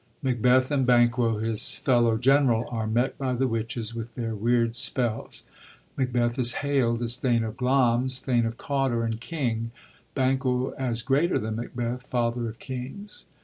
Macbeth, and Banquo his fellow general, are met by the witches, with their weird spells ; Macbeth is haild as thane of Glamis, thane of Cawdor, and king ; Banquo as greater than Macbeth, father of kings.